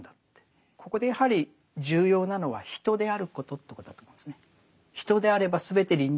ここでやはり重要なのは人であることということだと思うんですね。